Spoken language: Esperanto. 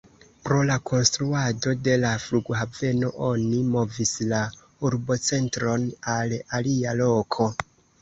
Pro la konstruado de la flughaveno, oni movis la urbocentron al alia loko.